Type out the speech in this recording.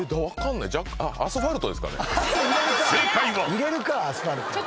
入れるか！